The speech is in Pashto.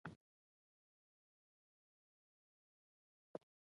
زه کور ته ځم.